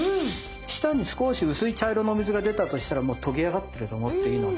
下に少し薄い茶色のお水が出たとしたらとぎ上がってると思っていいので。